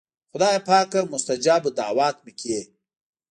خدایه پاکه مستجاب الدعوات مې کړې.